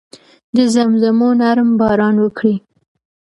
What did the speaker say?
د زمزمو نرم باران وکړي